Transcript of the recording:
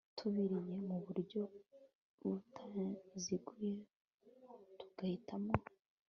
tubiriye mu buryo butaziguye tugahitamo